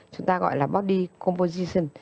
chúng ta gọi là body composition